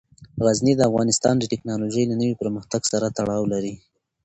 غزني د افغانستان د تکنالوژۍ له نوي پرمختګ سره تړاو لري.